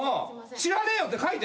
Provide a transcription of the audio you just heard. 「知らねえよ」って書いて。